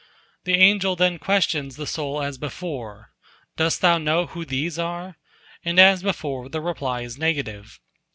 The angel then questions the soul as before, "Dost thou know who these are?" and as before the reply is negative.